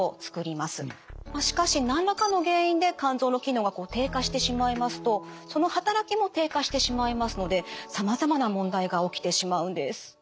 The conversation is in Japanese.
まあしかし何らかの原因で肝臓の機能が低下してしまいますとその働きも低下してしまいますのでさまざまな問題が起きてしまうんです。